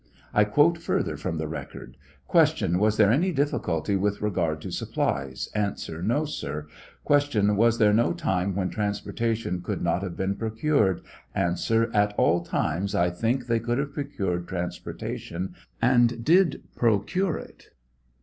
I quote further from the record : Q. Was there any difficulty with re^rd to supplies !• A. No, sir. Q. Was there no time when transportation could not hare been procured ? A. At all times I think they could have procured transportation, and did procure it.